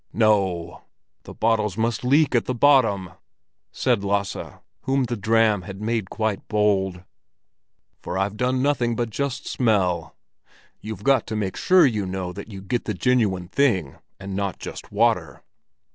"No, the bottles must leak at the bottom!" said Lasse, whom the dram had made quite bold. "For I've done nothing but just smell. You've got to make sure, you know, that you get the genuine thing and not just water."